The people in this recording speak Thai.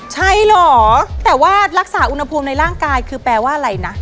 ใช่เหรอแต่ว่ารักษาอุณหภูมิในร่างกายคือแปลว่าอะไรนะ